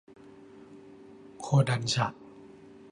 โคดันฉะ